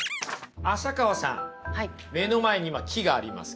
浅川さん目の前に今木がありますけど。